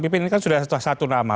pimpin ini kan sudah satu nama